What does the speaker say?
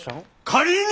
仮に！